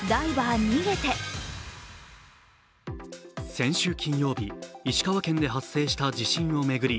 先週金曜日、石川県で発生した地震を巡り